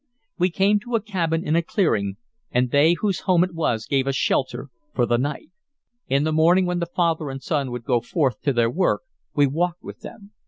We came to a cabin in a clearing, and they whose home it was gave us shelter for the night. In the morning, when the father and son would go forth to their work we walked with them.